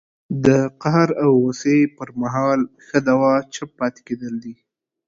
د قهر او غوسې پر مهال ښه دوا چپ پاتې کېدل دي